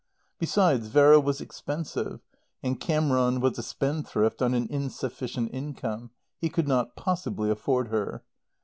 Besides Vera was expensive, and Cameron was a spendthrift on an insufficient income; he could not possibly afford her.